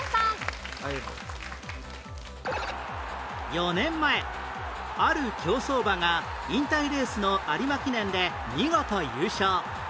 ４年前ある競走馬が引退レースの有馬記念で見事優勝